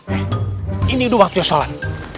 eh ini udah waktu sholat